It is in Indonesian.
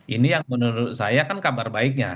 ini yang menurut saya kan kabar baiknya